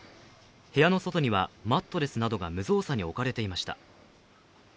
部屋の外にはマットレスなどが無造作に置かれていました。